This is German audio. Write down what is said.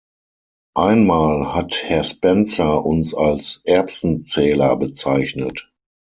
Einmal hat Herr Spencer uns als Erbsenzähler bezeichnet.